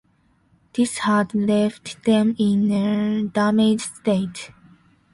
This had left them in a damaged state.